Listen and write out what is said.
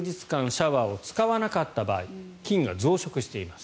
シャワーを使わなかった場合菌が増殖しています。